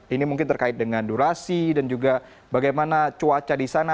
ini mungkin terkait dengan durasi dan juga bagaimana cuaca di sana